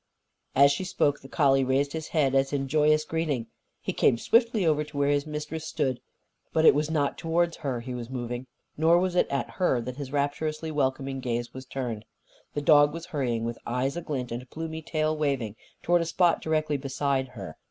_" As she spoke, the collie raised his head, as in joyous greeting. He came swiftly over to where his mistress stood. But it was not towards her he was moving. Nor was it at her that his rapturously welcoming gaze was turned. The dog was hurrying, with eyes aglint and plumy tail waving, toward a spot directly beside her.